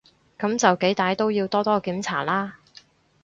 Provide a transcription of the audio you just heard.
噉就幾歹都要多多檢查啦